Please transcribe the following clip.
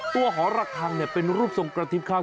หอระคังเป็นรูปทรงกระทิบข้าง